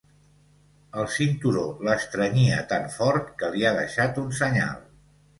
El cinturó l'estrenyia tan fort que li ha deixat un senyal.